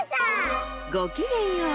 ごきげんよう。